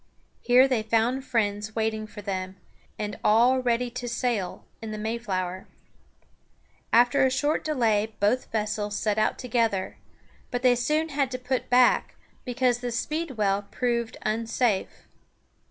Here they found friends waiting for them, and all ready to sail in the Mayflower. After a short delay both vessels set out together; but they soon had to put back, because the Speedwell proved unsafe.